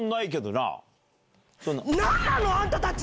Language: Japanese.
なんなのあんたたち！